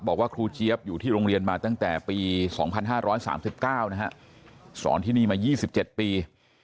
บอกว่าครูเจี๊ยบอยู่ที่โรงเรียนมาตั้งแต่ปี๒๕๓๙นะฮะสอนที่นี่มา๒๗ปี